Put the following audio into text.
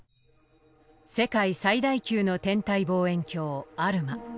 世界最大級の天体望遠鏡アルマ。